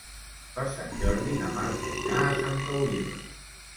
Per Sant Jordi na Marta irà a Santa Oliva.